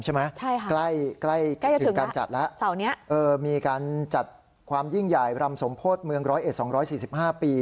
ใช่ค่ะใกล้ถึงการจัดแล้วมีการจัดความยิ่งใหญ่พรรมสมโพธิเมืองร้อยเอ็ด๒๔๕ปี